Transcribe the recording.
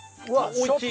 おいしい。